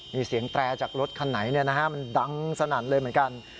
มีเสียงแตรจากรถคันไหนมันดังสนั่นเลยเหมือนกัน